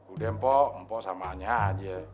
udah mpo mpo samanya aja